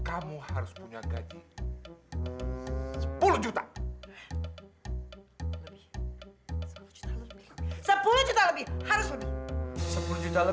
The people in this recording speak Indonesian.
aba dan pau besar saja